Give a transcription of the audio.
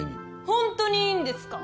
本当にいいんですか？